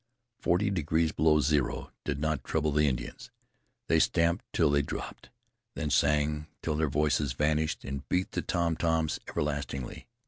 Forty degrees below zero did not trouble the Indians. They stamped till they dropped, and sang till their voices vanished, and beat the tomtoms everlastingly.